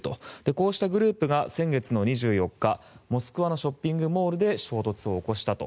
こうしたグループが先月２４日モスクワのショッピングモールで衝突を起こしたと。